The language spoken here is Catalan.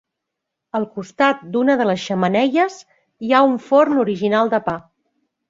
Al costat d'una de les xemeneies hi ha un forn original de pa.